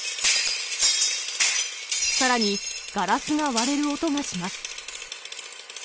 さらに、ガラスが割れる音がします。